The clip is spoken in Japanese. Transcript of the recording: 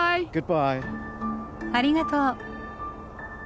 ありがとう。